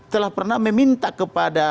telah pernah meminta kepada